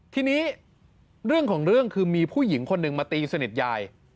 ทีนี้เรื่องของเรื่องคือมีผู้หญิงคนหนึ่งมาตีสนิทยาย